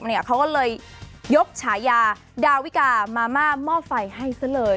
เขาก็เลยยกฉายาดาวิกามาม่าหม้อไฟให้ซะเลย